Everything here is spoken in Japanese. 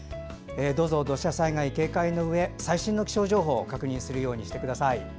どうぞ土砂災害警戒のうえ最新の気象情報を確認するようにしてください。